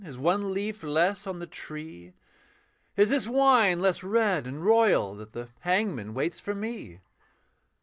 Is one leaf less on the tree? Is this wine less red and royal That the hangman waits for me?